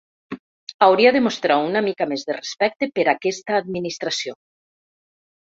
Hauria de mostrar una mica més de respecte per aquesta administració.